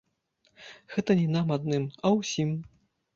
Гэта не нам адным, а ўсім.